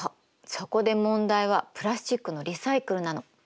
そこで問題はプラスチックのリサイクルなの。